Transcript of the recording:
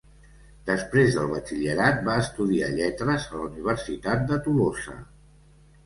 Després del batxillerat, va estudiar Lletres a la Universitat de Tolosa.